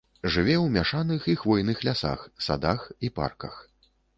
Жыве ў мяшаных і хвойных лясах, садах і парках.